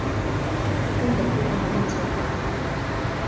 他根本不可能有钱还